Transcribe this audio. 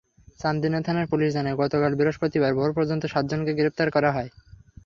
চান্দিনা থানার পুলিশ জানায়, গতকাল বৃহস্পতিবার ভোর পর্যন্ত সাতজনকে গ্রেপ্তার করা হয়।